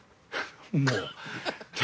もう。